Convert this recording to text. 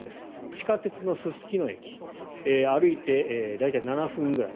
地下鉄のすすきの駅歩いて大体７分ぐらい。